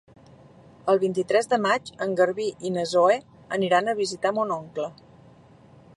El vint-i-tres de maig en Garbí i na Zoè aniran a visitar mon oncle.